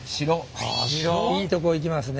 いいとこいきますね。